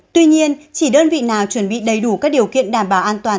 tuy nhiên chỉ đơn vị nào chuẩn bị đầy đủ các điều kiện đảm bảo an toàn